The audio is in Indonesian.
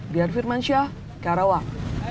biar firman syah karawang